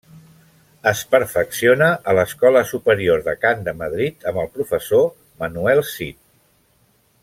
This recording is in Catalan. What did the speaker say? Es perfecciona a l'Escola Superior de Cant de Madrid amb el professor Manuel Cid.